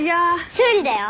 修理だよ。